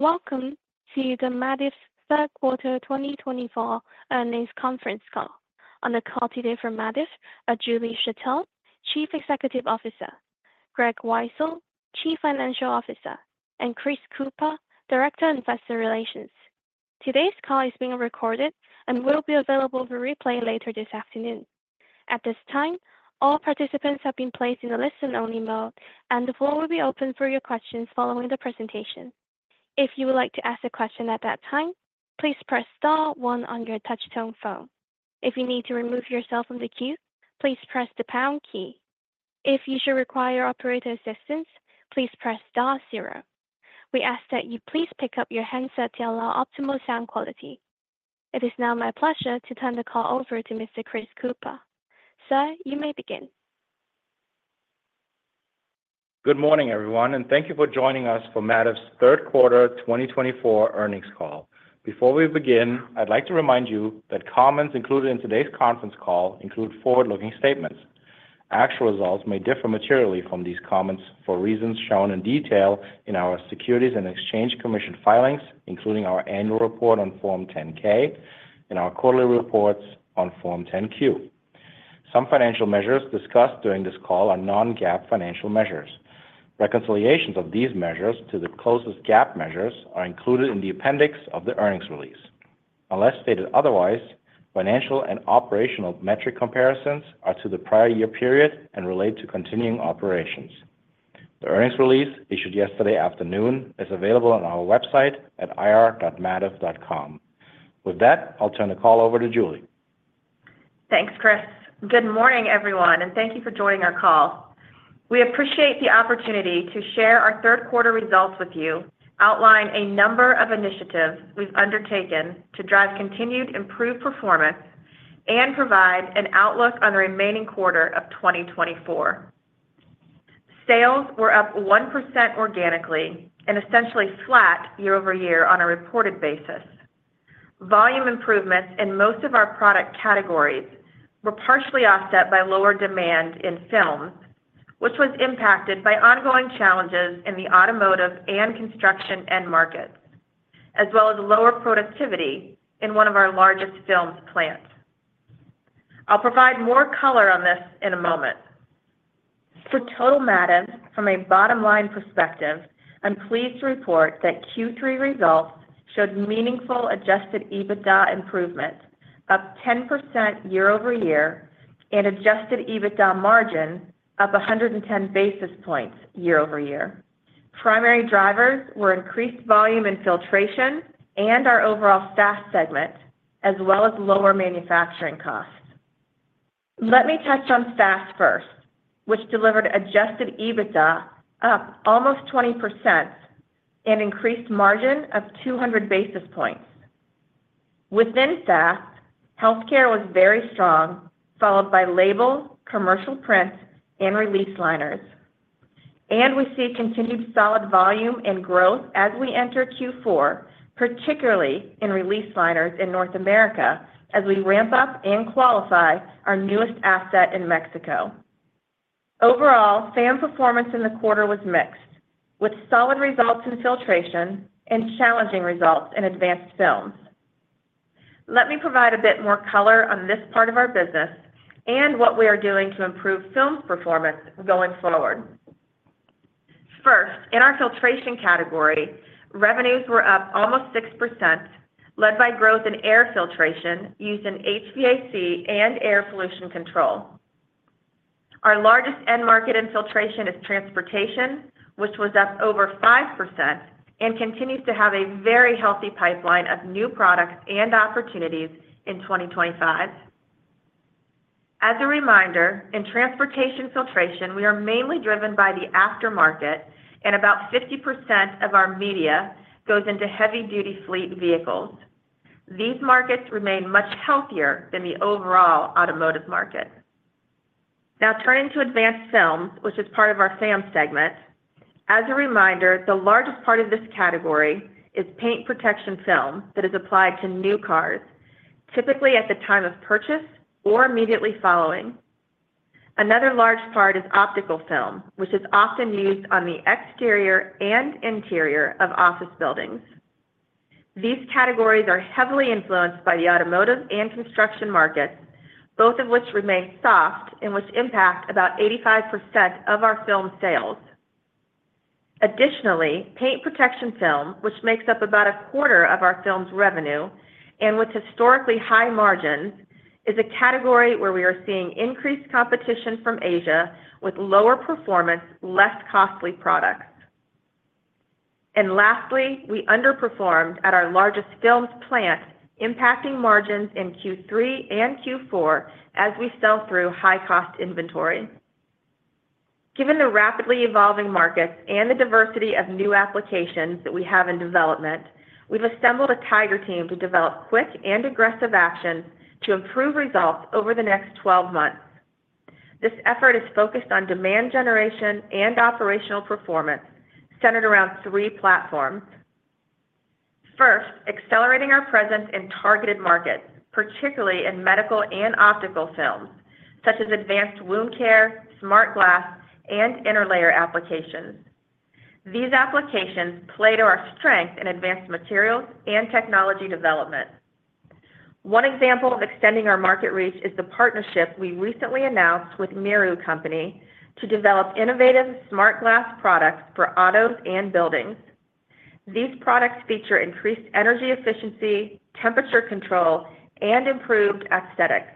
Welcome to the Mativ's Third Quarter 2024 Earnings Conference Call. On the call today for Mativ are Julie Schertell, Chief Executive Officer; Greg Weitzel, Chief Financial Officer; and Chris Kuepper, Director of Investor Relations. Today's call is being recorded and will be available for replay later this afternoon. At this time, all participants have been placed in a listen-only mode, and the floor will be open for your questions following the presentation. If you would like to ask a question at that time, please press star one on your touchtone phone. If you need to remove yourself from the queue, please press the pound key. If you should require operator assistance, please press star zero. We ask that you please pick up your handset to allow optimal sound quality. It is now my pleasure to turn the call over to Mr. Chris Kuepper. Sir, you may begin. Good morning, everyone, and thank you for joining us for Mativ's Third Quarter 2024 Earnings Call. Before we begin, I'd like to remind you that comments included in today's conference call include forward-looking statements. Actual results may differ materially from these comments for reasons shown in detail in our Securities and Exchange Commission filings, including our annual report on Form 10-K and our quarterly reports on Form 10-Q. Some financial measures discussed during this call are non-GAAP financial measures. Reconciliations of these measures to the closest GAAP measures are included in the appendix of the earnings release. Unless stated otherwise, financial and operational metric comparisons are to the prior year period and relate to continuing operations. The earnings release issued yesterday afternoon is available on our website at ir.mativ.com. With that, I'll turn the call over to Julie. Thanks, Chris. Good morning, everyone, and thank you for joining our call. We appreciate the opportunity to share our third quarter results with you, outline a number of initiatives we've undertaken to drive continued improved performance, and provide an outlook on the remaining quarter of 2024. Sales were up 1% organically and essentially flat year-over-year on a reported basis. Volume improvements in most of our product categories were partially offset by lower demand in films, which was impacted by ongoing challenges in the automotive and construction end markets, as well as lower productivity in one of our largest film plants. I'll provide more color on this in a moment. For total Mativ from a bottom-line perspective, I'm pleased to report that Q3 results showed meaningful adjusted EBITDA improvement, up 10% year-over-year, and adjusted EBITDA margin up 110 basis points year-over-year. Primary drivers were increased volume in Filtration and our overall SAS segment, as well as lower manufacturing costs. Let me touch on SAS first, which delivered adjusted EBITDA up almost 20% and increased margin of 200 basis points. Within SAS, healthcare was very strong, followed by label, commercial print, and release liners. We see continued solid volume and growth as we enter Q4, particularly in release liners in North America as we ramp up and qualify our newest asset in Mexico. Overall, FAM performance in the quarter was mixed, with solid results in Filtration and challenging results in Advanced Films. Let me provide a bit more color on this part of our business and what we are doing to improve film's performance going forward. First, in our Filtration category, revenues were up almost 6%, led by growth in air filtration used in HVAC and air pollution control. Our largest end market in Filtration is transportation, which was up over 5% and continues to have a very healthy pipeline of new products and opportunities in 2025. As a reminder, in transportation filtration, we are mainly driven by the aftermarket, and about 50% of our media goes into heavy-duty fleet vehicles. These markets remain much healthier than the overall automotive market. Now, turning to Advanced Films, which is part of our FAM segment. As a reminder, the largest part of this category is paint protection film that is applied to new cars, typically at the time of purchase or immediately following. Another large part is optical film, which is often used on the exterior and interior of office buildings. These categories are heavily influenced by the automotive and construction markets, both of which remain soft and which impact about 85% of our film sales. Additionally, paint protection film, which makes up about a quarter of our film's revenue and with historically high margins, is a category where we are seeing increased competition from Asia with lower performance, less costly products. And lastly, we underperformed at our largest film plant, impacting margins in Q3 and Q4 as we sell through high-cost inventory. Given the rapidly evolving markets and the diversity of new applications that we have in development, we've assembled a tiger team to develop quick and aggressive actions to improve results over the next 12 months. This effort is focused on demand generation and operational performance centered around three platforms. First, accelerating our presence in targeted markets, particularly in medical and optical films, such as advanced wound care, smart glass, and interlayer applications. These applications play to our strength in advanced materials and technology development. One example of extending our market reach is the partnership we recently announced with Miru company to develop innovative smart glass products for autos and buildings. These products feature increased energy efficiency, temperature control, and improved aesthetics.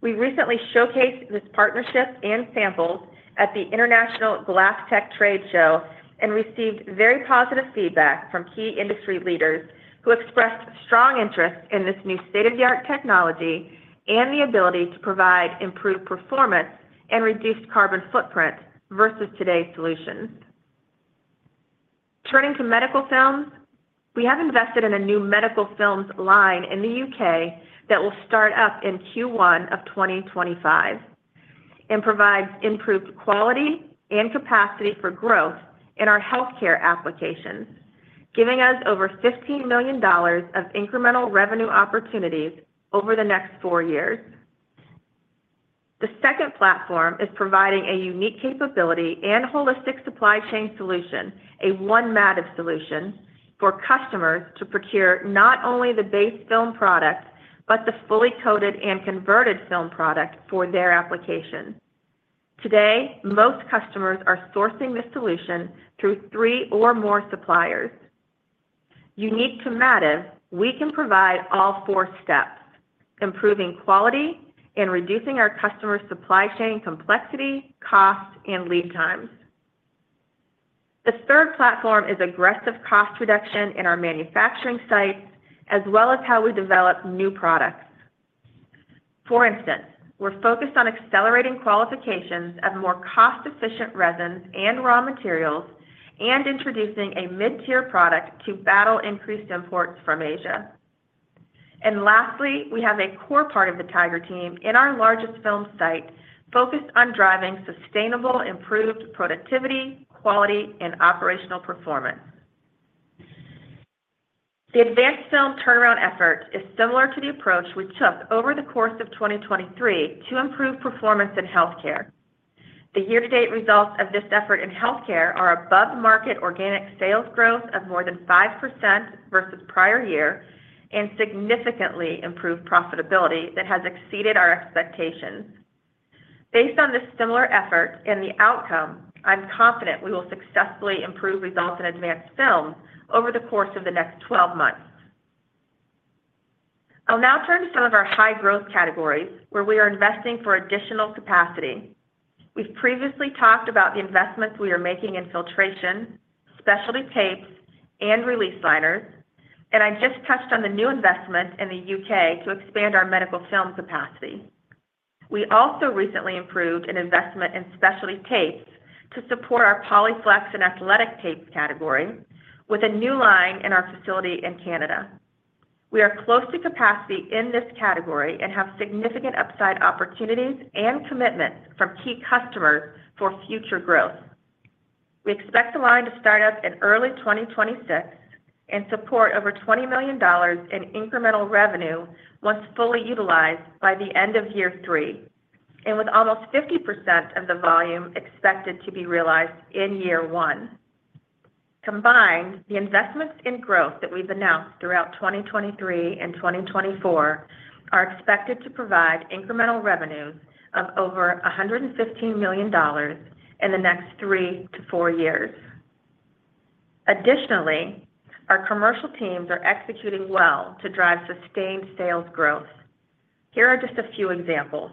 We recently showcased this partnership and samples at the International Glasstec Trade Show and received very positive feedback from key industry leaders who expressed strong interest in this new state-of-the-art technology and the ability to provide improved performance and reduced carbon footprint versus today's solutions. Turning to medical films, we have invested in a new medical films line in the U.K. that will start up in Q1 of 2025 and provides improved quality and capacity for growth in our healthcare applications, giving us over $15 million of incremental revenue opportunities over the next four years. The second platform is providing a unique capability and holistic supply chain solution, a One Mativ solution, for customers to procure not only the base film product but the fully coated and converted film product for their application. Today, most customers are sourcing the solution through three or more suppliers. Unique to Mativ, we can provide all four steps, improving quality and reducing our customer supply chain complexity, cost, and lead times. The third platform is aggressive cost reduction in our manufacturing sites, as well as how we develop new products. For instance, we're focused on accelerating qualifications of more cost-efficient resins and raw materials and introducing a mid-tier product to battle increased imports from Asia. And lastly, we have a core part of the Tiger Team in our largest film site focused on driving sustainable improved productivity, quality, and operational performance. The Advanced Film turnaround effort is similar to the approach we took over the course of 2023 to improve performance in healthcare. The year-to-date results of this effort in healthcare are above-market organic sales growth of more than 5% versus prior year and significantly improved profitability that has exceeded our expectations. Based on this similar effort and the outcome, I'm confident we will successfully improve results in Advanced Film over the course of the next 12 months. I'll now turn to some of our high-growth categories where we are investing for additional capacity. We've previously talked about the investments we are making in Filtration, specialty tapes, and release liners, and I just touched on the new investment in the U.K. to expand our medical film capacity. We also recently approved an investment in specialty tapes to support our Polyflex and athletic tape category with a new line in our facility in Canada. We are close to capacity in this category and have significant upside opportunities and commitments from key customers for future growth. We expect the line to start up in early 2026 and support over $20 million in incremental revenue once fully utilized by the end of year three, and with almost 50% of the volume expected to be realized in year one. Combined, the investments in growth that we've announced throughout 2023 and 2024 are expected to provide incremental revenues of over $115 million in the next three to four years. Additionally, our commercial teams are executing well to drive sustained sales growth. Here are just a few examples.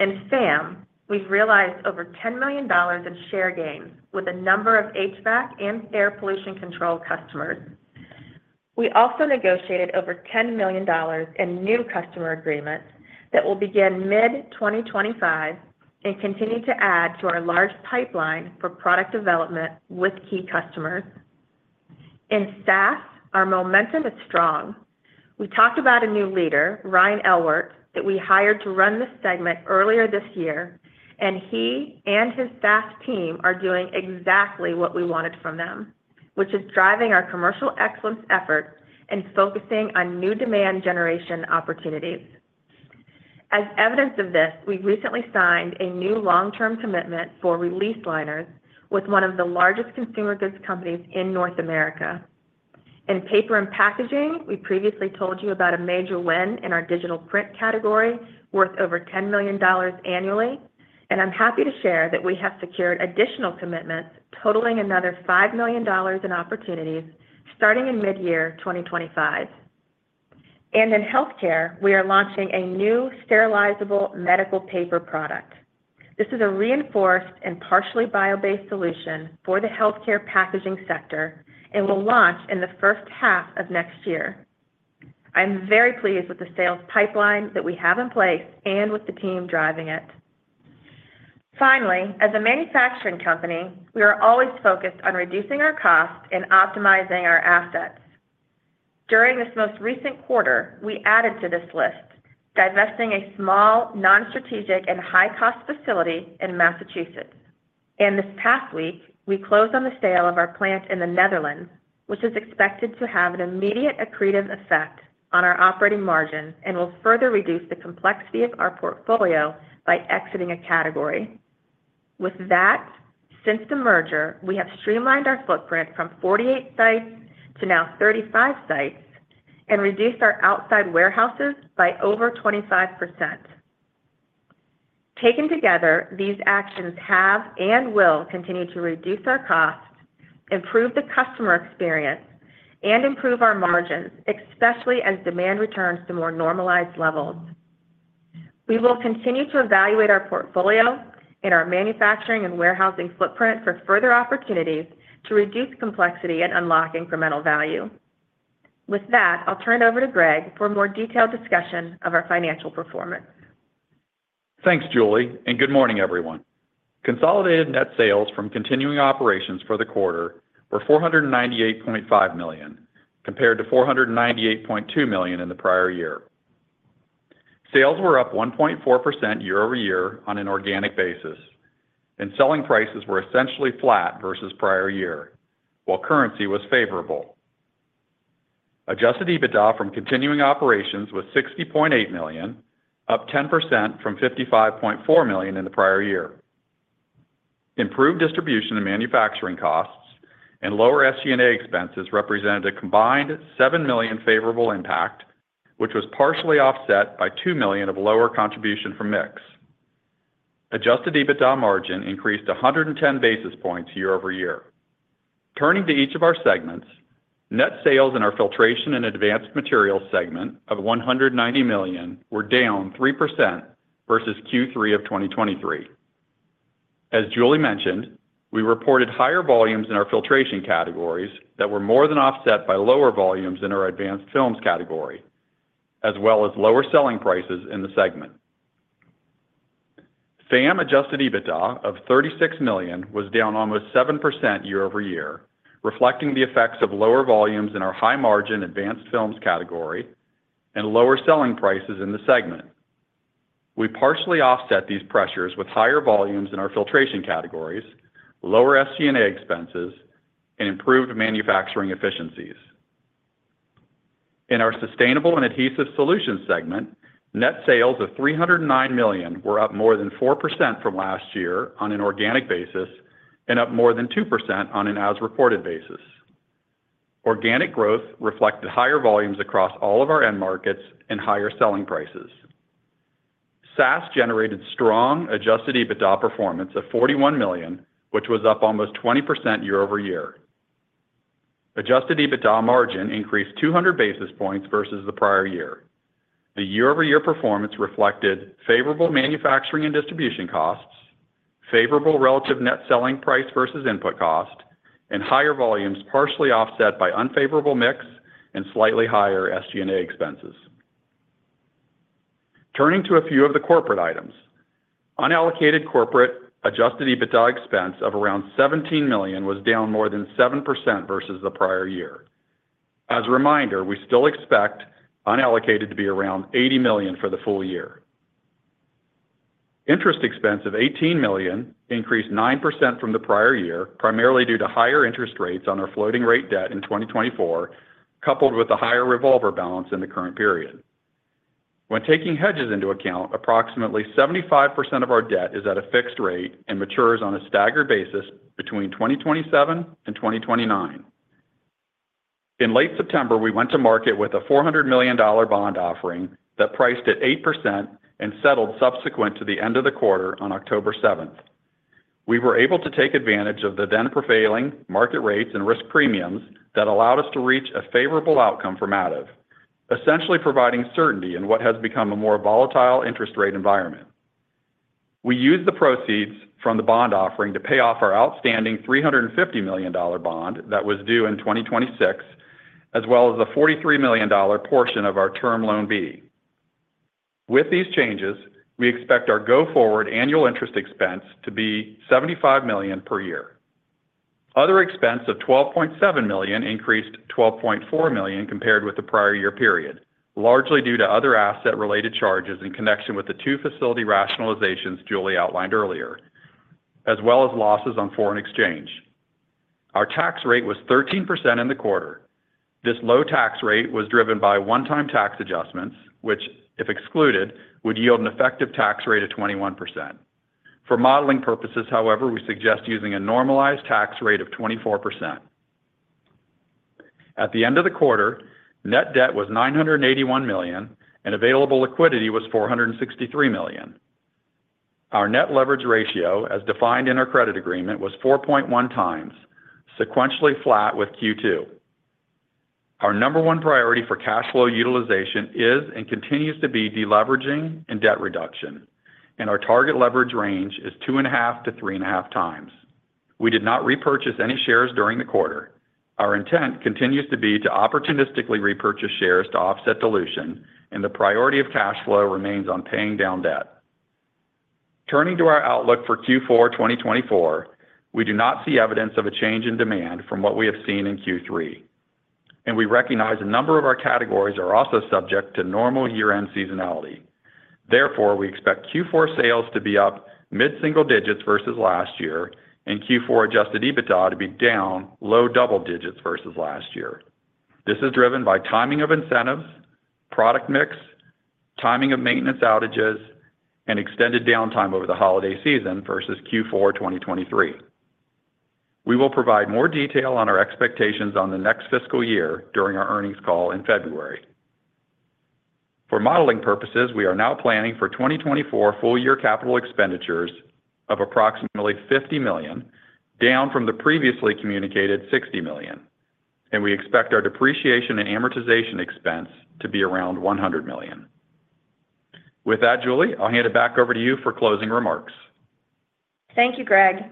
In FAM, we've realized over $10 million in share gains with a number of HVAC and air pollution control customers. We also negotiated over $10 million in new customer agreements that will begin mid-2025 and continue to add to our large pipeline for product development with key customers. In SAS, our momentum is strong. We talked about a new leader, Ryan Elwart, that we hired to run this segment earlier this year, and he and his SAS team are doing exactly what we wanted from them, which is driving our commercial excellence efforts and focusing on new demand generation opportunities. As evidence of this, we recently signed a new long-term commitment for release liners with one of the largest consumer goods companies in North America. In paper and packaging, we previously told you about a major win in our digital print category worth over $10 million annually, and I'm happy to share that we have secured additional commitments totaling another $5 million in opportunities starting in mid-year 2025, and in healthcare, we are launching a new sterilizable medical paper product. This is a reinforced and partially bio-based solution for the healthcare packaging sector and will launch in the first half of next year. I'm very pleased with the sales pipeline that we have in place and with the team driving it. Finally, as a manufacturing company, we are always focused on reducing our costs and optimizing our assets. During this most recent quarter, we added to this list, divesting a small, non-strategic, and high-cost facility in Massachusetts. This past week, we closed on the sale of our plant in the Netherlands, which is expected to have an immediate accretive effect on our operating margin and will further reduce the complexity of our portfolio by exiting a category. With that, since the merger, we have streamlined our footprint from 48 sites to now 35 sites and reduced our outside warehouses by over 25%. Taken together, these actions have and will continue to reduce our costs, improve the customer experience, and improve our margins, especially as demand returns to more normalized levels. We will continue to evaluate our portfolio and our manufacturing and warehousing footprint for further opportunities to reduce complexity and unlock incremental value. With that, I'll turn it over to Greg for a more detailed discussion of our financial performance. Thanks, Julie, and good morning, everyone. Consolidated net sales from continuing operations for the quarter were $498.5 million, compared to $498.2 million in the prior year. Sales were up 1.4% year-over-year on an organic basis, and selling prices were essentially flat versus prior year, while currency was favorable. Adjusted EBITDA from continuing operations was $60.8 million, up 10% from $55.4 million in the prior year. Improved distribution and manufacturing costs and lower SG&A expenses represented a combined $7 million favorable impact, which was partially offset by $2 million of lower contribution from mix. Adjusted EBITDA margin increased 110 basis points year-over-year. Turning to each of our segments, net sales in our Filtration and Advanced Materials segment of $190 million were down 3% versus Q3 of 2023. As Julie mentioned, we reported higher volumes in our Filtration categories that were more than offset by lower volumes in our Advanced Films category, as well as lower selling prices in the segment. FAM adjusted EBITDA of $36 million was down almost 7% year-over-year, reflecting the effects of lower volumes in our high-margin Advanced Films category and lower selling prices in the segment. We partially offset these pressures with higher volumes in our Filtration categories, lower SG&A expenses, and improved manufacturing efficiencies. In our Sustainable and Adhesive Solutions segment, net sales of $309 million were up more than 4% from last year on an organic basis and up more than 2% on an as-reported basis. Organic growth reflected higher volumes across all of our end markets and higher selling prices. SAS generated strong adjusted EBITDA performance of $41 million, which was up almost 20% year-over-year. Adjusted EBITDA margin increased 200 basis points versus the prior year. The year-over-year performance reflected favorable manufacturing and distribution costs, favorable relative net selling price versus input cost, and higher volumes partially offset by unfavorable mix and slightly higher SG&A expenses. Turning to a few of the corporate items, unallocated corporate adjusted EBITDA expense of around $17 million was down more than 7% versus the prior year. As a reminder, we still expect unallocated to be around $80 million for the full year. Interest expense of $18 million increased 9% from the prior year, primarily due to higher interest rates on our floating-rate debt in 2024, coupled with a higher revolver balance in the current period. When taking hedges into account, approximately 75% of our debt is at a fixed rate and matures on a staggered basis between 2027 and 2029. In late September, we went to market with a $400 million bond offering that priced at 8% and settled subsequent to the end of the quarter on October 7th. We were able to take advantage of the then-prevailing market rates and risk premiums that allowed us to reach a favorable outcome for Mativ, essentially providing certainty in what has become a more volatile interest rate environment. We used the proceeds from the bond offering to pay off our outstanding $350 million bond that was due in 2026, as well as the $43 million portion of our Term Loan B. With these changes, we expect our go forward annual interest expense to be $75 million per year. Other expense of $12.7 million increased $12.4 million compared with the prior year period, largely due to other asset-related charges in connection with the two facility rationalizations Julie outlined earlier, as well as losses on foreign exchange. Our tax rate was 13% in the quarter. This low tax rate was driven by one-time tax adjustments, which, if excluded, would yield an effective tax rate of 21%. For modeling purposes, however, we suggest using a normalized tax rate of 24%. At the end of the quarter, net debt was $981 million, and available liquidity was $463 million. Our net leverage ratio, as defined in our credit agreement, was 4.1 times, sequentially flat with Q2. Our number one priority for cash flow utilization is and continues to be deleveraging and debt reduction, and our target leverage range is 2.5 to 3.5 times. We did not repurchase any shares during the quarter. Our intent continues to be to opportunistically repurchase shares to offset dilution, and the priority of cash flow remains on paying down debt. Turning to our outlook for Q4 2024, we do not see evidence of a change in demand from what we have seen in Q3, and we recognize a number of our categories are also subject to normal year-end seasonality. Therefore, we expect Q4 sales to be up mid-single digits versus last year, and Q4 adjusted EBITDA to be down low double digits versus last year. This is driven by timing of incentives, product mix, timing of maintenance outages, and extended downtime over the holiday season versus Q4 2023. We will provide more detail on our expectations on the next fiscal year during our earnings call in February. For modeling purposes, we are now planning for 2024 full-year capital expenditures of approximately $50 million, down from the previously communicated $60 million, and we expect our depreciation and amortization expense to be around $100 million. With that, Julie, I'll hand it back over to you for closing remarks. Thank you, Greg.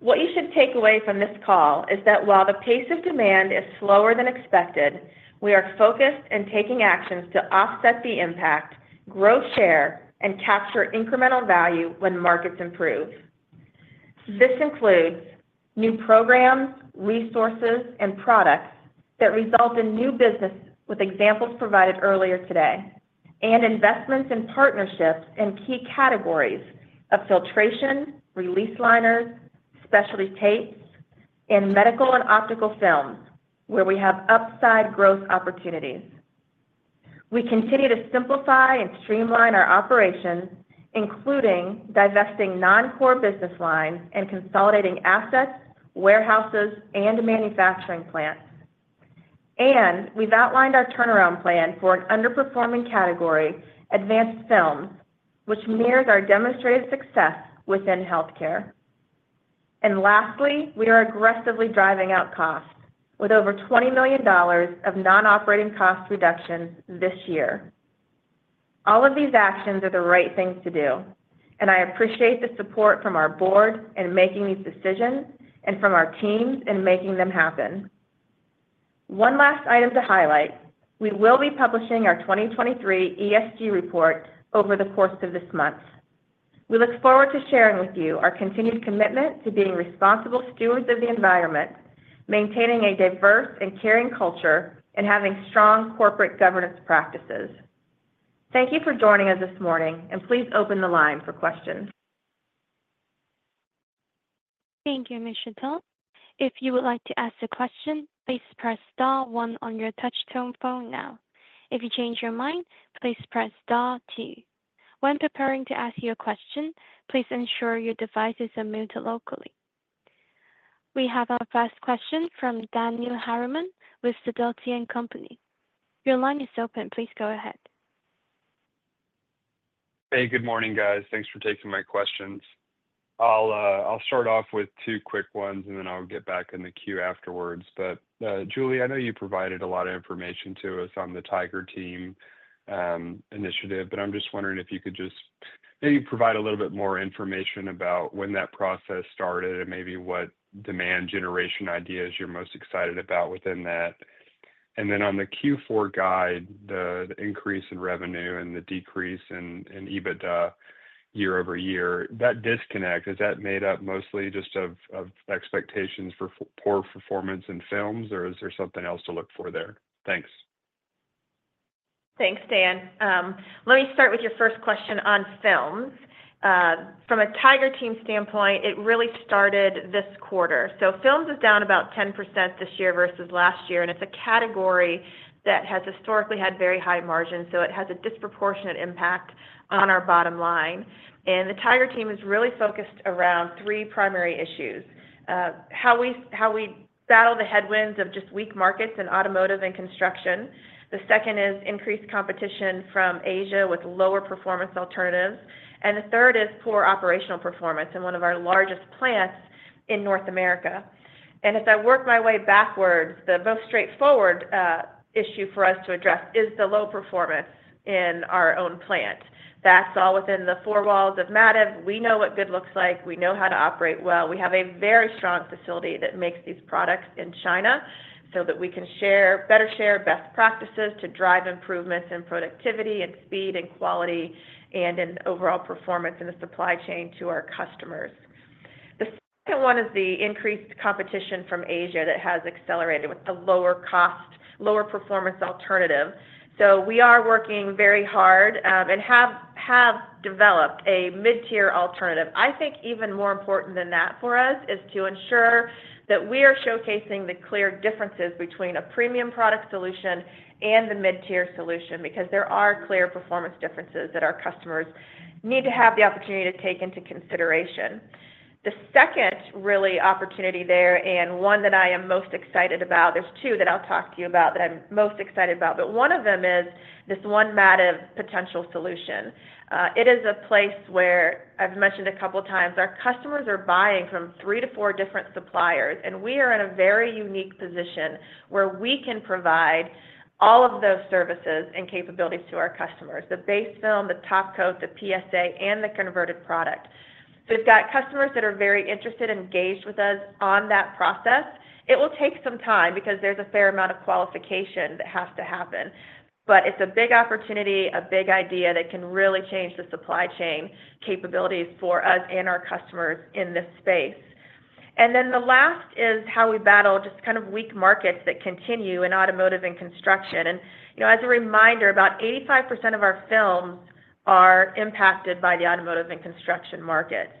What you should take away from this call is that while the pace of demand is slower than expected, we are focused and taking actions to offset the impact, grow share, and capture incremental value when markets improve. This includes new programs, resources, and products that result in new business with examples provided earlier today, and investments and partnerships in key categories of Filtration, release liners, specialty tapes, and medical and optical films, where we have upside growth opportunities. We continue to simplify and streamline our operations, including divesting non-core business lines and consolidating assets, warehouses, and manufacturing plants. And we've outlined our turnaround plan for an underperforming category, Advanced Films, which mirrors our demonstrated success within healthcare. And lastly, we are aggressively driving out costs with over $20 million of non-operating cost reductions this year. All of these actions are the right things to do, and I appreciate the support from our board in making these decisions and from our teams in making them happen. One last item to highlight: we will be publishing our 2023 ESG report over the course of this month. We look forward to sharing with you our continued commitment to being responsible stewards of the environment, maintaining a diverse and caring culture, and having strong corporate governance practices. Thank you for joining us this morning, and please open the line for questions. Thank you, Ms. Schertell. If you would like to ask a question, please press star one on your touchtone phone now. If you change your mind, please press star two. When preparing to ask your question, please ensure your device is unmuted locally. We have our first question from Daniel Harriman with Sidoti & Company. Your line is open. Please go ahead. Hey, good morning, guys. Thanks for taking my questions. I'll start off with two quick ones, and then I'll get back in the queue afterwards. But Julie, I know you provided a lot of information to us on the Tiger Team initiative, but I'm just wondering if you could just maybe provide a little bit more information about when that process started and maybe what demand generation ideas you're most excited about within that. And then on the Q4 guide, the increase in revenue and the decrease in EBITDA year-over-year, that disconnect, is that made up mostly just of expectations for poor performance in films, or is there something else to look for there? Thanks. Thanks, Dan. Let me start with your first question on films. From a Tiger Team standpoint, it really started this quarter. So films is down about 10% this year versus last year, and it's a category that has historically had very high margins, so it has a disproportionate impact on our bottom line. And the Tiger Team is really focused around three primary issues: how we battle the headwinds of just weak markets in automotive and construction. The second is increased competition from Asia with lower performance alternatives. And the third is poor operational performance in one of our largest plants in North America. As I work my way backwards, the most straightforward issue for us to address is the low performance in our own plant. That's all within the four walls of Mativ. We know what good looks like. We know how to operate well. We have a very strong facility that makes these products in China so that we can share best practices to drive improvements in productivity and speed and quality and in overall performance in the supply chain to our customers. The second one is the increased competition from Asia that has accelerated with a lower cost, lower performance alternative. We are working very hard and have developed a mid-tier alternative. I think even more important than that for us is to ensure that we are showcasing the clear differences between a premium product solution and the mid-tier solution because there are clear performance differences that our customers need to have the opportunity to take into consideration. The second really opportunity there, and one that I am most excited about, there's two that I'll talk to you about that I'm most excited about, but one of them is this one Mativ potential solution. It is a place where, I've mentioned a couple of times, our customers are buying from three to four different suppliers, and we are in a very unique position where we can provide all of those services and capabilities to our customers: the base film, the top coat, the PSA, and the converted product. We've got customers that are very interested and engaged with us on that process. It will take some time because there's a fair amount of qualification that has to happen, but it's a big opportunity, a big idea that can really change the supply chain capabilities for us and our customers in this space. And then the last is how we battle just kind of weak markets that continue in automotive and construction. And as a reminder, about 85% of our films are impacted by the automotive and construction markets.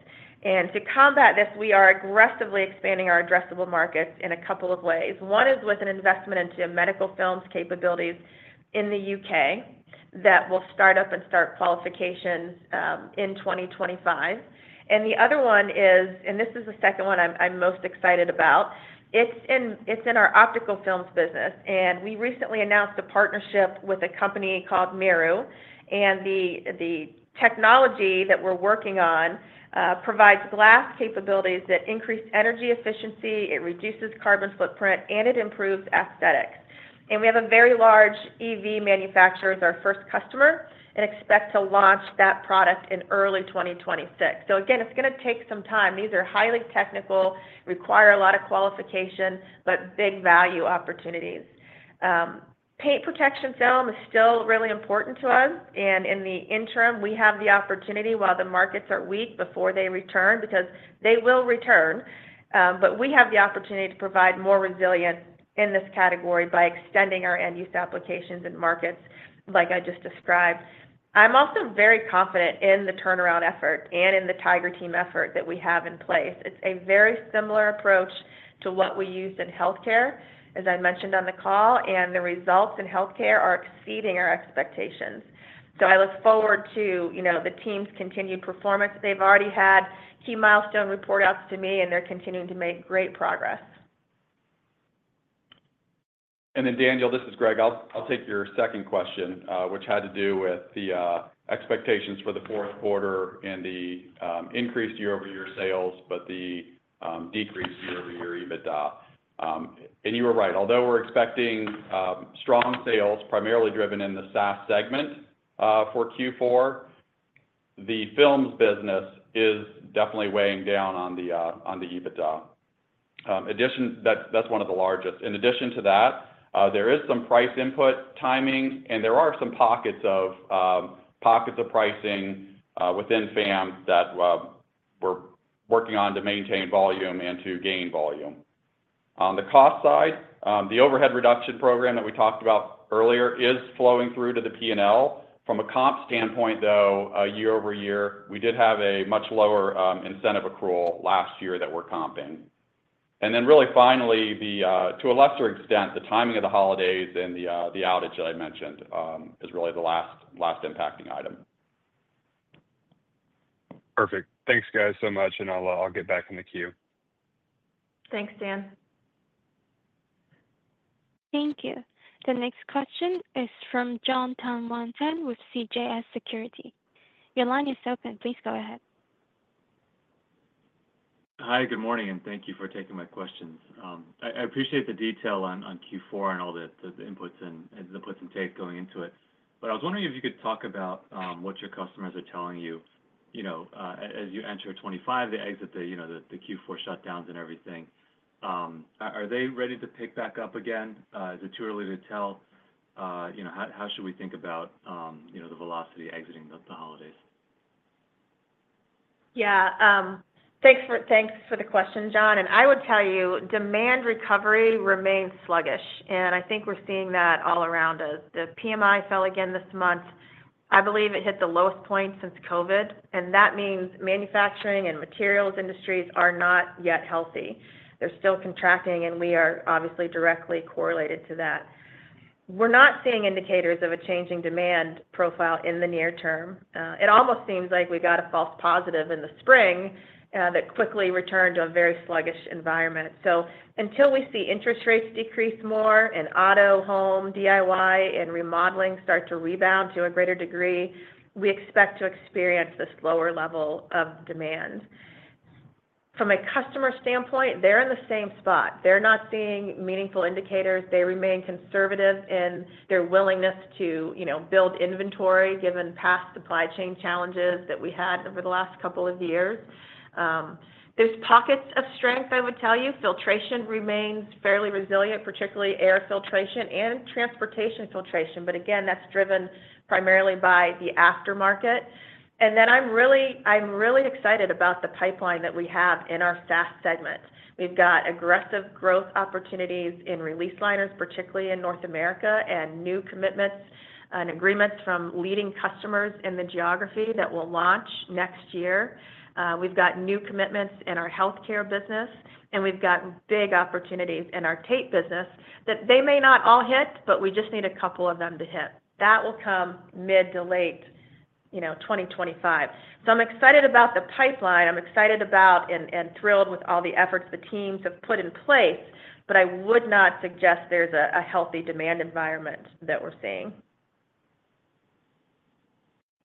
And to combat this, we are aggressively expanding our addressable markets in a couple of ways. One is with an investment into medical films capabilities in the U.K. that will start up and start qualifications in 2025. And the other one is, and this is the second one I'm most excited about, it's in our optical films business. And we recently announced a partnership with a company called Miru, and the technology that we're working on provides glass capabilities that increase energy efficiency, it reduces carbon footprint, and it improves aesthetics. And we have a very large EV manufacturer as our first customer and expect to launch that product in early 2026. So again, it's going to take some time. These are highly technical, require a lot of qualification, but big value opportunities. Paint protection film is still really important to us, and in the interim, we have the opportunity while the markets are weak before they return because they will return, but we have the opportunity to provide more resilience in this category by extending our end-use applications and markets like I just described. I'm also very confident in the turnaround effort and in the Tiger Team effort that we have in place. It's a very similar approach to what we used in healthcare, as I mentioned on the call, and the results in healthcare are exceeding our expectations, so I look forward to the team's continued performance. They've already had key milestone report outs to me, and they're continuing to make great progress. And then, Daniel, this is Greg. I'll take your second question, which had to do with the expectations for the fourth quarter and the increased year-over-year sales, but the decreased year-over-year EBITDA, and you were right. Although we're expecting strong sales, primarily driven in the SAS segment for Q4, the films business is definitely weighing down on the EBITDA. That's one of the largest. In addition to that, there is some price input timing, and there are some pockets of pricing within FAM that we're working on to maintain volume and to gain volume. On the cost side, the overhead reduction program that we talked about earlier is flowing through to the P&L. From a comp standpoint, though, year-over-year, we did have a much lower incentive accrual last year that we're comping. And then really finally, to a lesser extent, the timing of the holidays and the outage that I mentioned is really the last impacting item. Perfect. Thanks, guys, so much, and I'll get back in the queue. Thanks, Dan. Thank you. The next question is from Jon Tanwanteng with CJS Securities. Your line is open. Please go ahead. Hi, good morning, and thank you for taking my questions. I appreciate the detail on Q4 and all the inputs and takes going into it. But I was wondering if you could talk about what your customers are telling you as you enter 2025, they exit the Q4 shutdowns and everything. Are they ready to pick back up again? Is it too early to tell? How should we think about the velocity exiting the holidays? Yeah. Thanks for the question, Jon, and I would tell you demand recovery remains sluggish, and I think we're seeing that all around us. The PMI fell again this month. I believe it hit the lowest point since COVID, and that means manufacturing and materials industries are not yet healthy. They're still contracting, and we are obviously directly correlated to that. We're not seeing indicators of a changing demand profile in the near term. It almost seems like we got a false positive in the spring that quickly returned to a very sluggish environment, so until we see interest rates decrease more and auto, home, DIY, and remodeling start to rebound to a greater degree, we expect to experience this lower level of demand. From a customer standpoint, they're in the same spot. They're not seeing meaningful indicators. They remain conservative in their willingness to build inventory given past supply chain challenges that we had over the last couple of years. There's pockets of strength, I would tell you. Filtration remains fairly resilient, particularly air filtration and transportation filtration, but again, that's driven primarily by the aftermarket, and then I'm really excited about the pipeline that we have in our SAS segment. We've got aggressive growth opportunities in release liners, particularly in North America, and new commitments and agreements from leading customers in the geography that will launch next year. We've got new commitments in our healthcare business, and we've got big opportunities in our tape business that they may not all hit, but we just need a couple of them to hit. That will come mid to late 2025. So I'm excited about the pipeline. I'm excited about and thrilled with all the efforts the teams have put in place, but I would not suggest there's a healthy demand environment that we're seeing.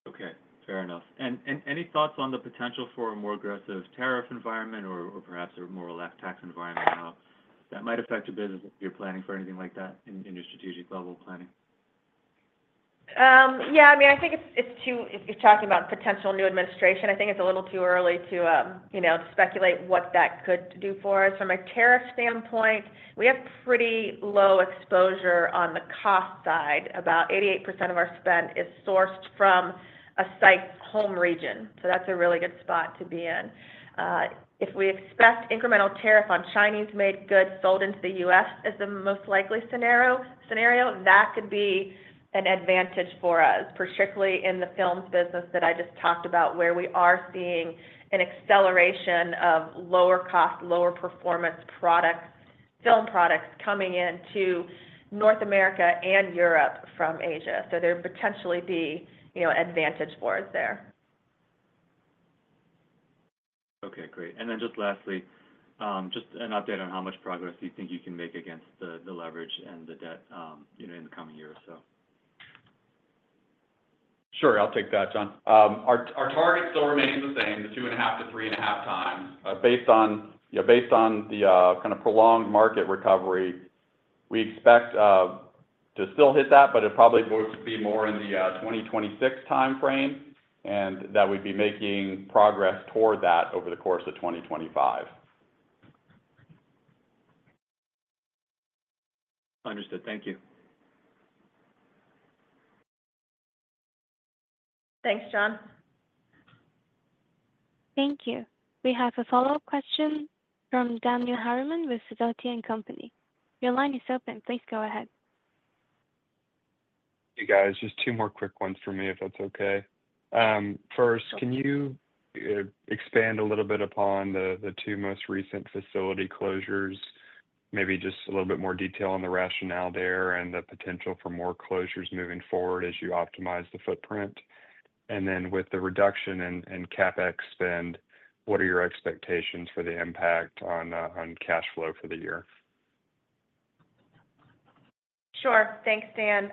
Okay. Fair enough. And any thoughts on the potential for a more aggressive tariff environment or perhaps a more relaxed tax environment that might affect your business if you're planning for anything like that in your strategic level planning? Yeah. I mean, I think it's too early if you're talking about potential new administration. I think it's a little too early to speculate what that could do for us. From a tariff standpoint, we have pretty low exposure on the cost side. About 88% of our spend is sourced from a same home region, so that's a really good spot to be in. If we expect incremental tariff on Chinese-made goods sold into the U.S. as the most likely scenario, that could be an advantage for us, particularly in the films business that I just talked about, where we are seeing an acceleration of lower-cost, lower-performance film products coming into North America and Europe from Asia. So there would potentially be advantage for us there. Okay. Great. And then just lastly, just an update on how much progress do you think you can make against the leverage and the debt in the coming year or so? Sure. I'll take that, John. Our target still remains the same, the two and a half to three and a half times. Based on the kind of prolonged market recovery, we expect to still hit that, but it probably would be more in the 2026 timeframe, and that we'd be making progress toward that over the course of 2025. Understood. Thank you. Thanks, John. Thank you. We have a follow-up question from Daniel Harriman with Sidoti & Company. Your line is open. Please go ahead. Hey, guys. Just two more quick ones for me, if that's okay. First, can you expand a little bit upon the two most recent facility closures, maybe just a little bit more detail on the rationale there and the potential for more closures moving forward as you optimize the footprint? And then with the reduction in CapEx spend, what are your expectations for the impact on cash flow for the year? Sure. Thanks, Dan.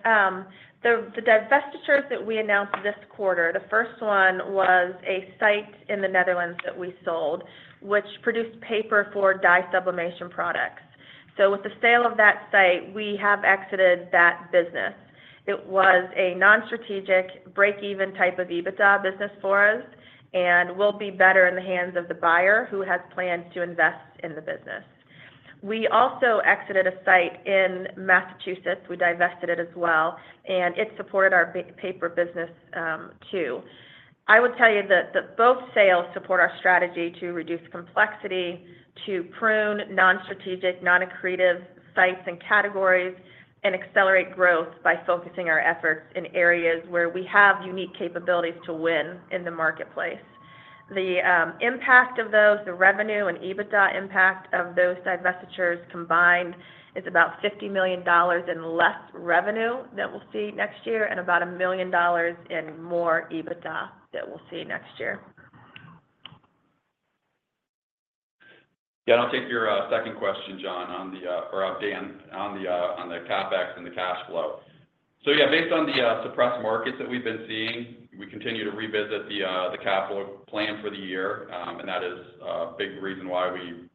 The divestitures that we announced this quarter, the first one was a site in the Netherlands that we sold, which produced paper for dye sublimation products. So with the sale of that site, we have exited that business. It was a non-strategic, break-even type of EBITDA business for us and will be better in the hands of the buyer who has plans to invest in the business. We also exited a site in Massachusetts. We divested it as well, and it supported our paper business too. I would tell you that both sales support our strategy to reduce complexity, to prune non-strategic, non-accretive sites and categories, and accelerate growth by focusing our efforts in areas where we have unique capabilities to win in the marketplace. The impact of those, the revenue and EBITDA impact of those divestitures combined is about $50 million in less revenue that we'll see next year and about $1 million in more EBITDA that we'll see next year. Yeah. I'll take your second question, Dan, on the CapEx and the cash flow. So yeah, based on the suppressed markets that we've been seeing, we continue to revisit the capital plan for the year, and that is a big reason why we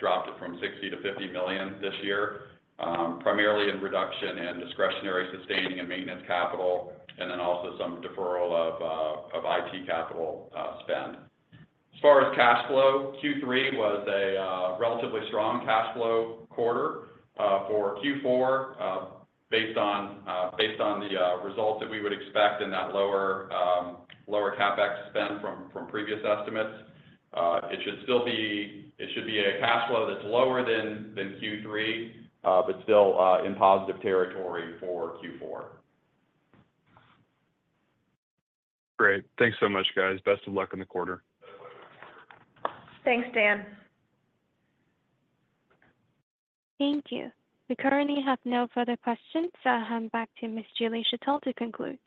dropped it from $60 million to $50 million this year, primarily in reduction and discretionary sustaining and maintenance capital, and then also some deferral of IT capital spend. As far as cash flow, Q3 was a relatively strong cash flow quarter. For Q4, based on the results that we would expect in that lower CapEx spend from previous estimates, it should still be a cash flow that's lower than Q3, but still in positive territory for Q4. Great. Thanks so much, guys. Best of luck in the quarter. Thanks, Dan. Thank you. We currently have no further questions. I'll hand back to Ms. Julie Schertell to conclude.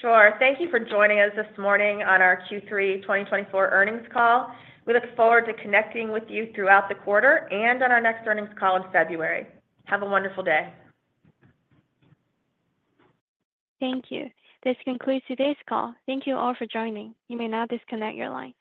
Sure. Thank you for joining us this morning on our Q3 2024 earnings call. We look forward to connecting with you throughout the quarter and on our next earnings call in February. Have a wonderful day. Thank you. This concludes today's call. Thank you all for joining. You may now disconnect your line.